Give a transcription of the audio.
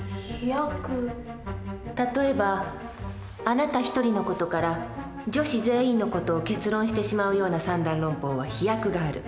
例えばあなた一人の事から女子全員の事を結論してしまうような三段論法は飛躍がある。